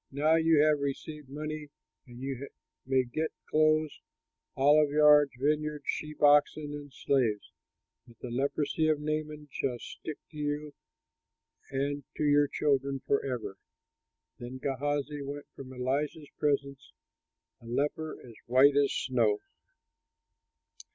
Now you have received money and you may get clothes, olive yards, vineyards, sheep, oxen, and slaves; but the leprosy of Naaman shall stick to you and to your children forever." Then Gehazi went from Elisha's presence a leper as white as snow.